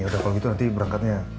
udah kalau gitu nanti berangkatnya